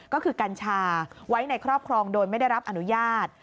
ก็คือกัญชาไว้ในครอบครองโดยไม่ได้รับอนุญาต